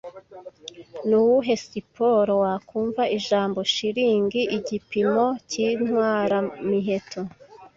Nuwuhe siporo wakumva ijambo shilling Igipimo cyintwaramiheto